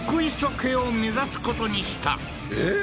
家を目指すことにしたえっ？